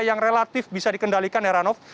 yang relatif bisa dikendalikan heranov